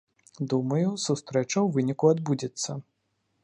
Думаю, сустрэча ў выніку адбудзецца.